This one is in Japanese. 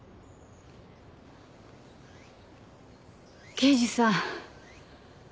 刑事さん。